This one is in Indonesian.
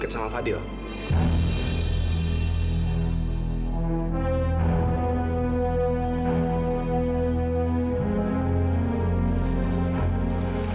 ujadian hak baik untuk saya